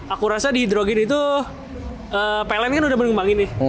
aku rasa di hidrogen itu pln kan udah menumbangin nih